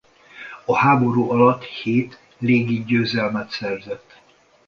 A háború alatt hét légi győzelmet szerzett.